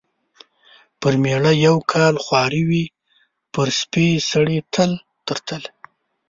پر مېړه یو کال خواري وي ، پر سپي سړي تل تر تله .